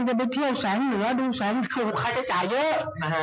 จะไปเที่ยวแสงเหนือดูแสงเที่ยวกับค่าใช้จ่ายเยอะ